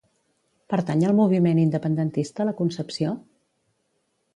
Pertany al moviment independentista la Concepció?